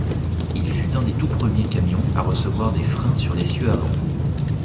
Il fut un des tout premiers camions à recevoir des freins sur l'essieu avant.